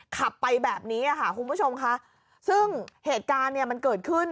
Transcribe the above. ขับไปแบบนี้ค่ะคุณผู้ชมค่ะซึ่งเหตุการณ์เนี่ยมันเกิดขึ้น